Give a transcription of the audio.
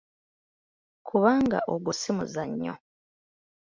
Kubanga ogwo si muzannyo.